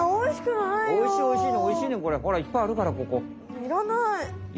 いらない！